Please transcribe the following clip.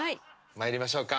まいりましょうか。